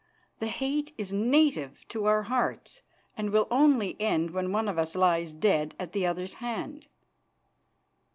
The hate is native to our hearts, and will only end when one of us lies dead at the other's hand."